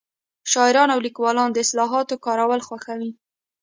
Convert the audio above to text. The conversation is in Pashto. شاعران او لیکوالان د اصطلاحاتو کارول خوښوي